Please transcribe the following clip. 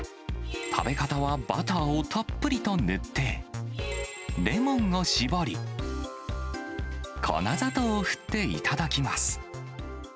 食べ方はバターをたっぷりと塗って、レモンを搾り、粉砂糖を振って頂きます。